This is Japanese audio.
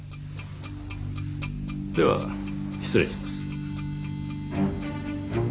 では失礼します。